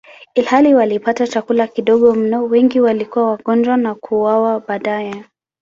Ilhali walipata chakula kidogo mno, wengi walikuwa wagonjwa na kuuawa baadaye.